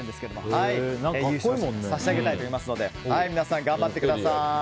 優勝した方に差し上げたいと思いますので皆さん、頑張ってください。